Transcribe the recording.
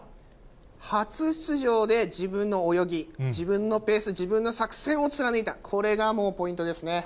初出場で自分の泳ぎ、自分のペース、自分の作戦を貫いた、これがもうポイントですね。